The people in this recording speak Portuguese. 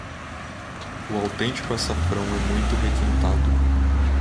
O autêntico açafrão é muito requintado